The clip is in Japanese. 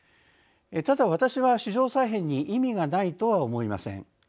ただ私は市場再編に意味がないとは思いません。